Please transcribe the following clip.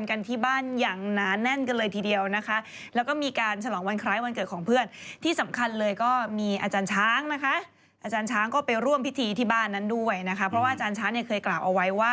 ขอถอยไปดูพี่เมียวหน่อยได้ไหมฮะขอถอยไปดูพี่เมียว